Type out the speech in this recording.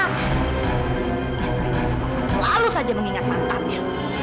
istrinya papa selalu saja mengingat mantannya